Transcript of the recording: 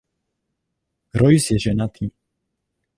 Royce je ženatý.